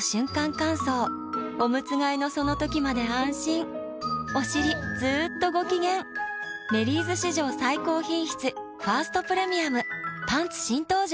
乾燥おむつ替えのその時まで安心おしりずっとご機嫌「メリーズ」史上最高品質「ファーストプレミアム」パンツ新登場！